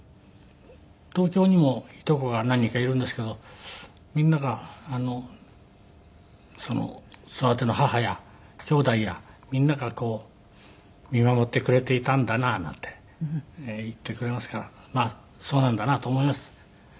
東京にもいとこが何人かいるんですけどみんなが「育ての母やきょうだいやみんなが見守ってくれていたんだな」なんて言ってくれますからまあそうなんだなと思います。